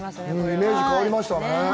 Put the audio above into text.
イメージが変わりましたね。